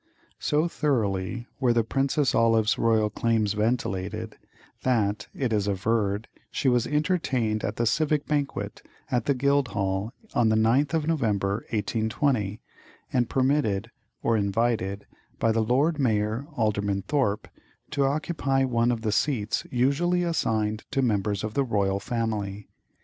So thoroughly were the "Princess Olive's" royal claims ventilated that, it is averred, she was entertained at the civic banquet at the Guildhall, on the 9th of November, 1820, and permitted, or invited, by the Lord Mayor (Alderman Thorpe), to occupy one of the seats usually assigned to members of the royal family.